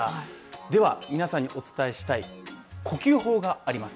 では、皆さんにお伝えしたい呼吸法があります。